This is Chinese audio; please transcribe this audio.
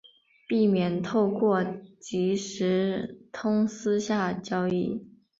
避免透过即时通私下交易